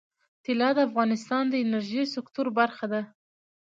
طلا د افغانستان د انرژۍ سکتور برخه ده.